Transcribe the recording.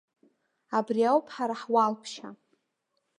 Абриоуп ҳара ҳуалԥшьа.